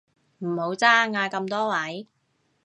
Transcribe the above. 唔好爭啊咁多位